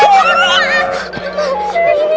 kita buka pintu